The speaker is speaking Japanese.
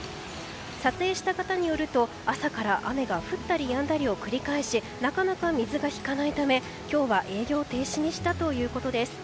撮影した方によると朝から雨が降ったりやんだりを繰り返しなかなか水が引かないため今日は営業停止にしたということです。